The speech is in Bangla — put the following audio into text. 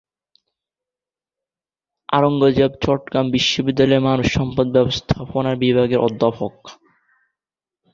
আওরঙ্গজেব চট্টগ্রাম বিশ্ববিদ্যালয়ের মানব সম্পদ ব্যবস্থাপনা বিভাগের অধ্যাপক।